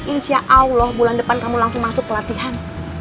insya allah bulan depan kamu langsung masuk pelatihan